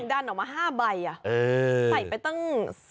ดันออกมา๕ใบใส่ไปตั้ง